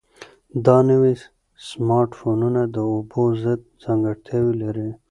دا نوي سمارټ فونونه د اوبو ضد ځانګړتیاوې لري.